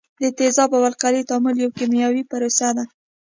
د تیزاب او القلي تعامل یو کیمیاوي پروسه ده.